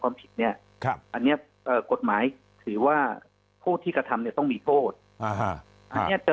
ความผิดเนี่ยอันนี้กฎหมายถือว่าผู้ที่กระทำเนี่ยต้องมีโทษอันนี้เจอ